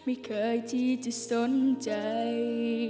ไม่เคยที่จะสนใจ